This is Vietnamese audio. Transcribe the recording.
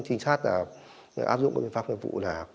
các trinh sát áp dụng các biện pháp phục vụ